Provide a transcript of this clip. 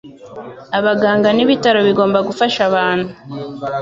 Abaganga nibitaro bigomba gufasha abantu